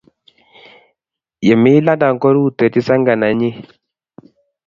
Ye mi London, korutochin senge nenyi.